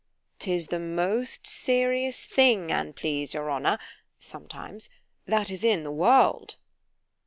_ 'Tis the most serious thing, an' please your honour (sometimes), that is in the world.